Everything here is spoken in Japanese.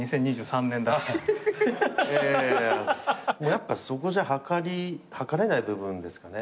やっぱそこじゃはかれない部分ですかね。